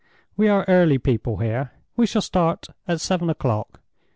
We are early people here—we shall start at seven o'clock.